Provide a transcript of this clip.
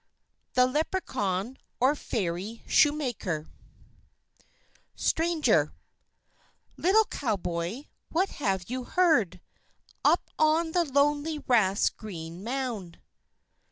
THE LEPRECHAUN, OR FAIRY SHOEMAKER STRANGER Little Cowboy, what have you heard, Up on the lonely rath's green mound?